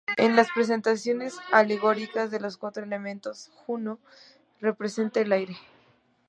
En las representaciones alegóricas de los cuatro elementos, Juno representa al aire.